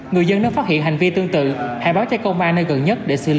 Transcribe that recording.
người dân đang phát hiện hành vi tương tự hãy báo cho công an nơi gần nhất để xử lý theo quy định